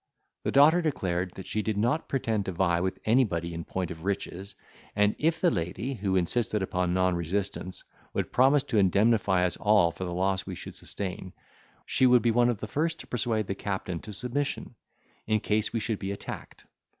The daughter declared, that she did not pretend to vie with anybody in point of riches; and if the lady, who insisted upon non resistance, would promise to indemnify us all for the loss we should sustain, she would be one of the first to persuade the captain to submission, in case we should be attacked.